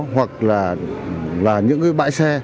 hoặc là những bãi xe